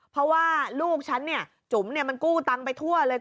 เพราะว่าลูกฉันเนี่ยจุ๋มมันกู้ตังค์ไปทั่วเลย